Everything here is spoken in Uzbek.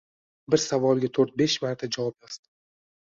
Bir savolga to‘rt-besh marta javob yozdim.